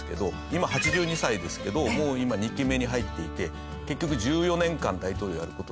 今８２歳ですけどもう今２期目に入っていて結局１４年間大統領をやる事になる。